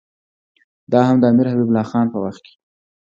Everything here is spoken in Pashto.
دا هم د امیر حبیب الله خان په وخت کې.